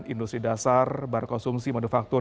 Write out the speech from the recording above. industri dasar bar konsumsi manufaktur